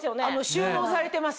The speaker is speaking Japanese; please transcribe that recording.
収納されてます